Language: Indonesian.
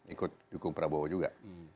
ikut dukung prabowo juga